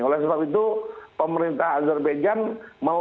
oleh sebab itu pemerintah azerbaijan melonggar